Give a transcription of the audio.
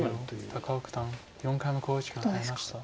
高尾九段４回目の考慮時間に入りました。